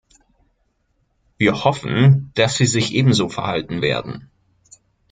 Wir hoffen, dass Sie sich ebenso verhalten werden.